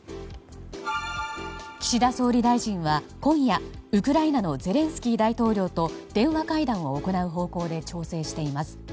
岸田総理大臣は今夜ウクライナのゼレンスキー大統領と電話会談を行う方向で調整しています。